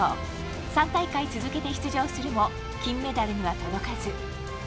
３大会続けて出場するも金メダルには届かず。